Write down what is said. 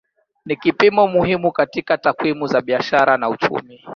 Ni kipimo muhimu katika takwimu za biashara na uchumi.